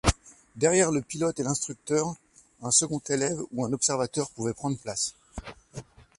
Derrière le pilote et l’instructeur un second élève ou un observateur pouvaient prendre place.